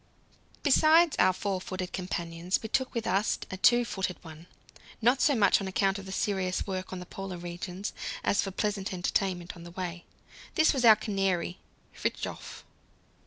Besides our four footed companions, we took with us a two footed one, not so much on account of the serious work in the Polar regions as for pleasant entertainment on the way. This was our canary "Fridtjof."